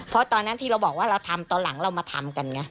เพราะตอนนั้นที่เราบอกว่าเราทำตอนหลังเรามาทำกันไง